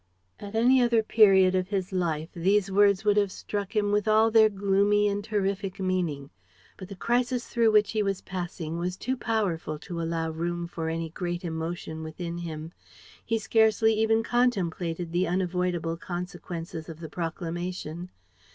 At any other period of his life these words would have struck him with all their gloomy and terrific meaning. But the crisis through which he was passing was too powerful to allow room for any great emotion within him. He scarcely even contemplated the unavoidable consequences of the proclamation.